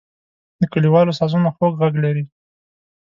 د کلیوالو سازونه خوږ غږ لري.